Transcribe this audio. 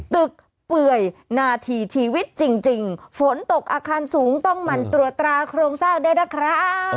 เปื่อยนาทีชีวิตจริงฝนตกอาคารสูงต้องหมั่นตรวจตราโครงสร้างได้นะครับ